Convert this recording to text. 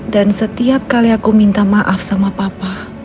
dan setiap kali aku minta maaf sama papa